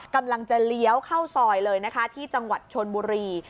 กำลังจะเลี้ยวเข้าซอยเลยนะคะที่จังหวัดชนบุรี